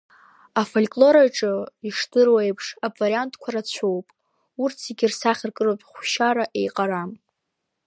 Афольклор аҿы, ишдыру еиԥш, авариантқәа рацәоуп, урҭ зегьы рсахьаркыратә хәшьара еиҟарам.